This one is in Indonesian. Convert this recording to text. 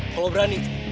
kalo lo berani